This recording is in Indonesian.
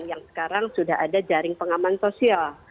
yang sekarang sudah ada jaring pengaman sosial